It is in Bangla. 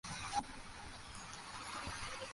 আপনাকে মনে আছে।